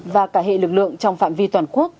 và cả hệ lực lượng trong phạm vi toàn quốc